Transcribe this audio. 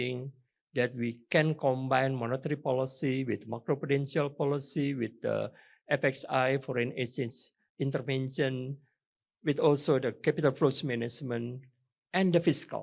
menggabungkan kebijakan moneter kebijakan makroprudensial dengan fsi intervention for ancient intervention dengan juga pengurusan perusahaan kapital dan kebijakan fisikal